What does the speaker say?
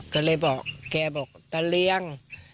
ก็เลยแกบอกเตลี้ยง